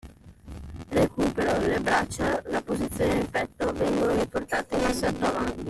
Recupero: le braccia, dalla posizione del petto, vengono riportate in assetto in avanti.